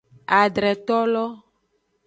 Adretolo.